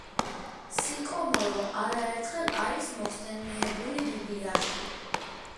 სიკომორო არაერთხელ არის მოხსენიებული ბიბლიაში.